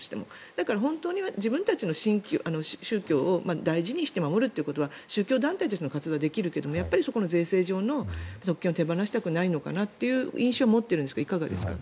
だから、本当に自分たちの宗教を大事にして守るということは宗教団体としての活動はできるけどやっぱりそこの税制上の特権を手放したくないのかなという印象を持っているんですけどいかがですか？